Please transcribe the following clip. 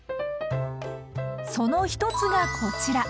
その一つがこちら。